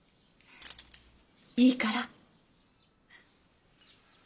いいから。